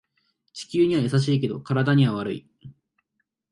地球には優しいけど体には悪い